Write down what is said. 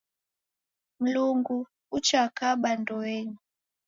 Mlungu uchakaba ndoenyi.